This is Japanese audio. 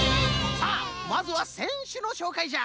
さあまずはせんしゅのしょうかいじゃ！